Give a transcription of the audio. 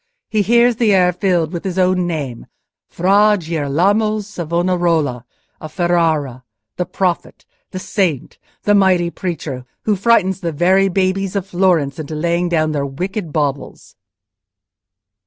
He hears the air filled with his own name—Fra Girolamo Savonarola, of Ferrara; the prophet, the saint, the mighty preacher, who frightens the very babies of Florence into laying down their wicked baubles."